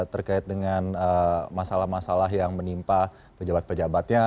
terkait dengan masalah masalah yang menimpa pejabat pejabatnya